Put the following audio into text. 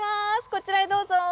こちらへどうぞ。